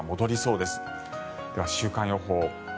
では週間予報。